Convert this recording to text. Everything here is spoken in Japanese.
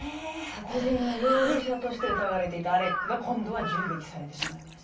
殺人の容疑者として疑われていたアレックが今度は銃撃されてしまいました。